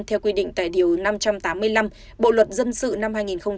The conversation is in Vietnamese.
theo quy định tại điều năm trăm tám mươi năm bộ luật dân sự năm hai nghìn một mươi năm